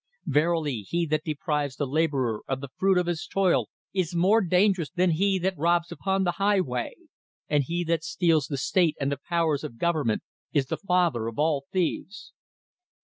Verily, he that deprives the laborer of the fruit of his toil is more dangerous than he that robs upon the highway; and he that steals the state and the powers of government is the father of all thieves."